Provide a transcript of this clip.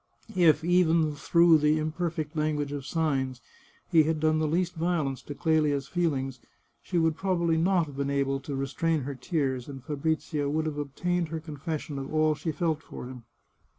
If, even through the imperfect lan guage of signs, he had done the least violence to Clelia's feelings, she would probably not have been able to restrain her tears, and Fabrizio would have obtained hef confession of all she felt for him.